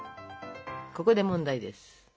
ここで問題です。